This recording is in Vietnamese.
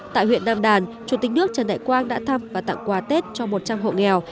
tại huyện nam đàn chủ tịch nước trần đại quang đã thăm và tặng quà tết cho một trăm linh hộ nghèo